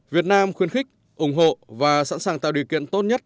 việt nam khuyên khích ủng hộ và sẵn sàng tạo điều kiện tốt nhất